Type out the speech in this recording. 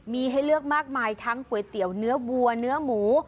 มีให้เลือกมากมายทั้งก๋วยเตี๋ยวเนื้อวัวเนื้อหมู